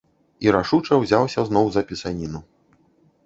І рашуча ўзяўся зноў за пісаніну.